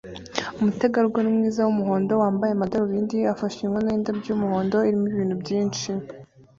Umutegarugori mwiza wumuhondo wambaye amadarubindi afashe inkono yindabyo yumuhondo irimo ibintu byinshi